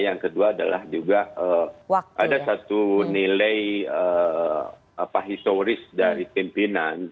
yang kedua adalah juga ada satu nilai historis dari pimpinan